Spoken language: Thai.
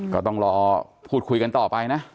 ก็ต้องรอพูดคุยกันต่อไปนะ